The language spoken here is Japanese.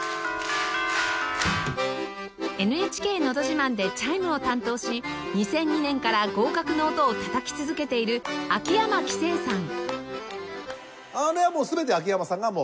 『ＮＨＫ のど自慢』でチャイムを担当し２００２年から合格の音をたたき続けている秋山気清さん